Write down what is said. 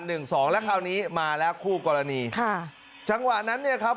หนึ่งสองแล้วคราวนี้มาแล้วคู่กรณีค่ะจังหวะนั้นเนี่ยครับ